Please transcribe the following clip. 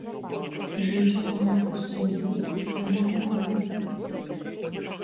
Жыць у амаль пустой вёсцы сям'я не баіцца.